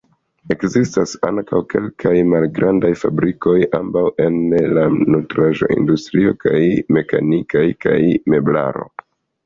Ekzistas ankaŭ kelkaj malgrandaj fabrikoj, ambaŭ en la nutraĵo-industrio kaj mekanikaj kaj meblaro.